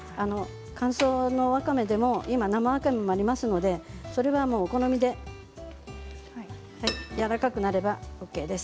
乾燥のわかめでも生わかめもありますけどお好みでやわらかくなればＯＫです。